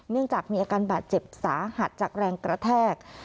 เนื่องจากมีอาการบาดเจ็บสาหัสจากแรงกระแทก